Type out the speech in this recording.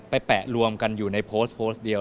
ไปแปะรวมกันอยู่ในโพสต์เดียว